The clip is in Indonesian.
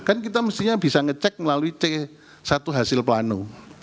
kan kita mestinya bisa ngecek melalui c satu hasil plano